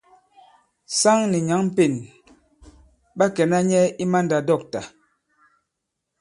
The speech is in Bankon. Saŋ nì nyǎŋ Pên ɓa kɛ̀na nyɛ i mandàdɔ̂ktà.